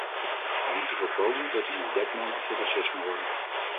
Wij moeten voorkomen dat die een dekmantel voor racisme worden.